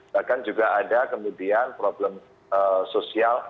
bahkan juga ada kemudian problem sosial